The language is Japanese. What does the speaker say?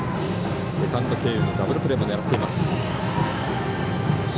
セカンド経由のダブルプレーを狙っています。